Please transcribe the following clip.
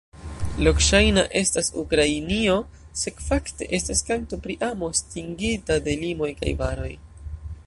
Lokŝajna estas Ukrainio sed fakte estas kanto pri amo estingita de limoj kaj baroj.